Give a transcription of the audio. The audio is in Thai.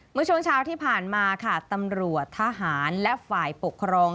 เมื่อช่วงเช้าที่ผ่านมาค่ะตำรวจทหารและฝ่ายปกครอง